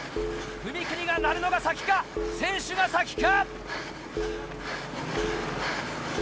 踏切が鳴るのが先か選手が先か。